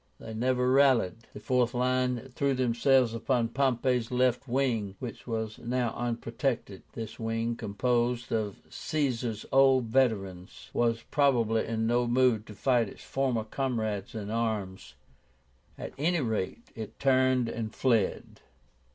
They never rallied. The fourth line threw themselves upon Pompey's left wing, which was now unprotected. This wing, composed of Caesar's old veterans, was probably in no mood to fight its former comrades in arms. At any rate, it turned and fled.